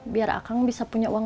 biar akang bisa perkembang